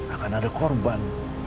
akan ada korban